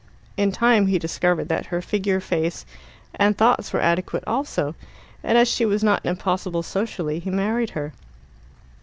In time he discovered that her figure, face, and thoughts were adequate also, and as she was not impossible socially, he married her.